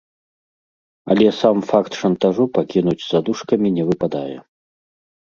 Але сам факт шантажу пакінуць за дужкамі не выпадае.